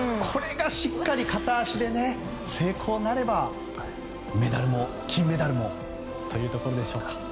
これがしっかり片足で成功となれば金メダルもというところでしょうか。